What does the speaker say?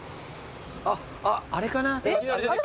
あっあれかな？